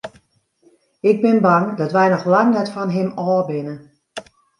Ik bin bang dat wy noch lang net fan him ôf binne.